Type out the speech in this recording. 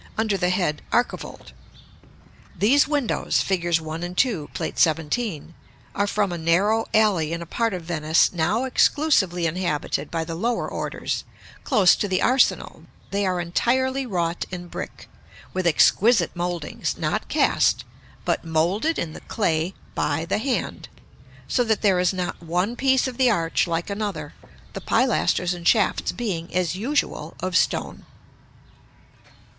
under the head "Archivolt." These windows (figs. 1 and 2, Plate XVII.) are from a narrow alley in a part of Venice now exclusively inhabited by the lower orders, close to the arsenal; they are entirely wrought in brick, with exquisite mouldings, not cast, but moulded in the clay by the hand, so that there is not one piece of the arch like another; the pilasters and shafts being, as usual, of stone.